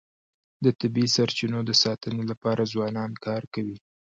د طبیعي سرچینو د ساتنې لپاره ځوانان کار کوي.